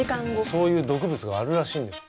そういう毒物があるらしいんです。